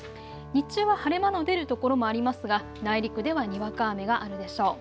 日中は晴れ間の出る所もありますが内陸ではにわか雨があるでしょう。